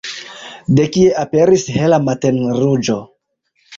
De kie aperis hela matenruĝo?